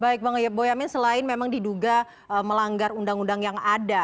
baik bang boyamin selain memang diduga melanggar undang undang yang ada